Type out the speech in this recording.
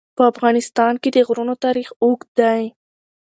په افغانستان کې د غرونه تاریخ اوږد دی.